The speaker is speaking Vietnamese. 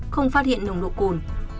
không phát hiện nồng độ cồn